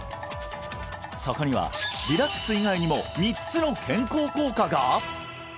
そこにはリラックス以外にも３つの健康効果が！？